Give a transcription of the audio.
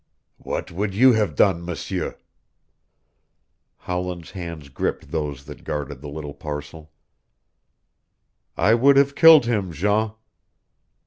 "What would you have done, M'seur?" Howland's hands gripped those that guarded the little parcel. "I would have killed him, Jean."